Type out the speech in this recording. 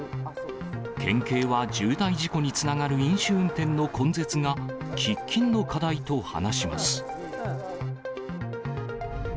県警は重大事故につながる飲酒運転の根絶が喫緊の課題と話します。